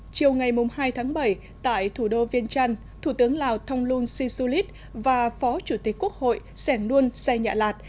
chiều ngày hai tháng bảy tại thủ đô viên trăn thủ tướng lào thông luân si su lít và phó chủ tịch quốc hội sẻng luân xe nhạ lạt